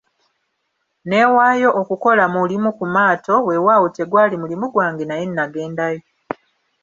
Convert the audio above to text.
Nneewaayo okukola mu limu ku maato, weewaawo tegwali mulimu gwange naye nagendayo.